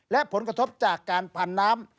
และผลกระทบจากการพันน้ำ